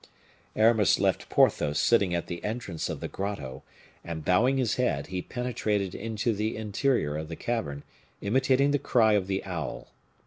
Aramis left Porthos sitting at the entrance of the grotto, and bowing his head, he penetrated into the interior of the cavern, imitating the cry of the owl.